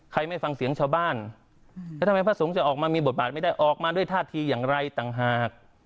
ไม่ฟังเสียงชาวบ้านแล้วทำไมพระสงฆ์จะออกมามีบทบาทไม่ได้ออกมาด้วยท่าทีอย่างไรต่างหาก